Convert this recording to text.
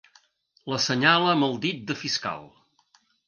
L'assenyala amb el dit de fiscal.